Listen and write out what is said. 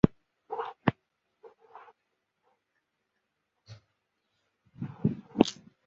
长触合跳蛛为跳蛛科合跳蛛属的动物。